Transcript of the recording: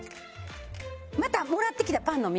またもらってきたパンの耳。